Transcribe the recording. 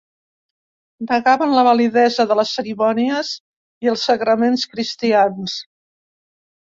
Negaven la validesa de les cerimònies i els sagraments cristians.